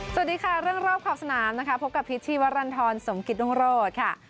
สวัสดีค่ะเรื่องรอบขอบสนามนะคะพบกับพิษชีวรรณฑรสมกิตรุงโรธค่ะ